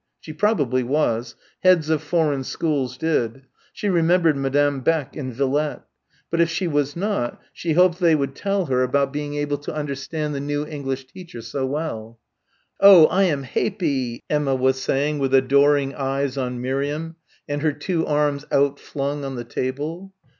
She probably was. Heads of foreign schools did. She remembered Madame Beck in "Villette." But if she was not, she hoped they would tell her about being able to understand the new English teacher so well. "Oh, I am haypie," Emma was saying, with adoring eyes on Miriam and her two arms outflung on the table.